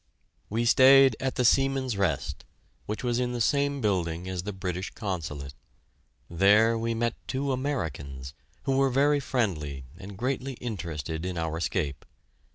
We stayed at the "Seaman's Rest," which was in the same building as the British Consulate. There we met two Americans, who were very friendly and greatly interested in our escape.